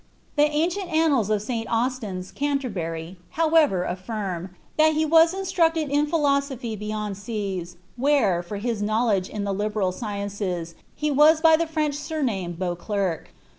The ancient annals of St. ii Canierbury, however, alBrm ''that be was instruciid in phi J beyond s«a8, where, for liis knowledge in the liberal sciences, hby the French sutnamed Beauclerc."